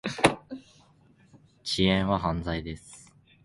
電車が遅れている